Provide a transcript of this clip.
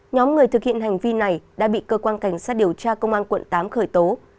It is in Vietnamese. nhóm người thực hiện hành vi này đã bị cơ quan cảnh sát điều tra công an quận tám khởi tố